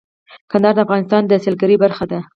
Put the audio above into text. کندهار د افغانستان د سیلګرۍ برخه ده.